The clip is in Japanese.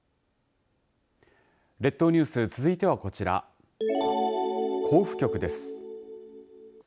列島ニュース続いてはこちら甲府局です。